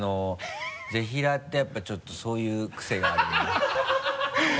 ぜひらーってやっぱちょっとそういうクセがある。